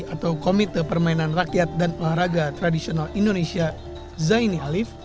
atau komite permainan rakyat dan olahraga tradisional indonesia zaini alif